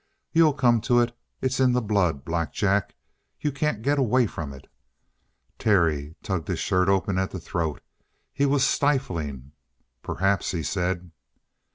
You'll come to it. It's in the blood, Black Jack. You can't get away from it." Terry tugged his shirt open at the throat; he was stifling. "Perhaps," he said.